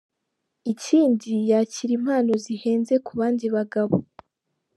Ikindi yakira impano zihenze ku bandi bagabo.